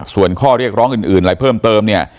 ส่วนข้อเรียกร้องอื่นอะไรเพิ่มเติมเนี่ย